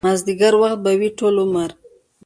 مازديګر وخت به وي ټول عمر